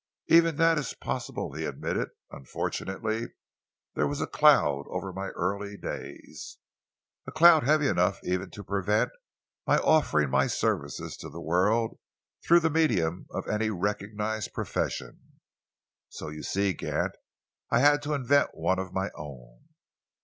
"Even that is possible," he admitted. "Unfortunately, there was a cloud over my early days, a cloud heavy enough even to prevent my offering my services to the world through the medium of any of the recognized professions. So you see, Gant, I had to invent one of my own.